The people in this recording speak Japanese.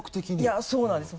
いやそうなんですよ。